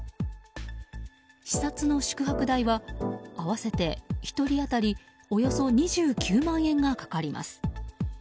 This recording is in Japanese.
視察の宿泊代は合わせて１人当たりおよそ２９万円がかかります。